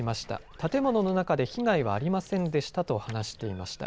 建物の中で被害はありませんでしたと話していました。